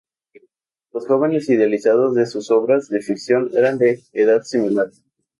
Los jóvenes idealizados de sus obras de ficción eran de edad similar.